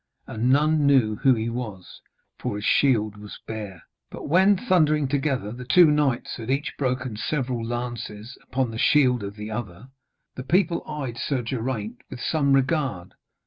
And none knew who he was, for his shield was bare. But when, thundering together, the two knights had each broken several lances upon the shield of the other, the people eyed Sir Geraint with some regard.